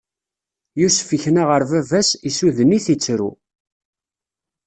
Yusef ikna ɣer baba-s, issuden-it, ittru.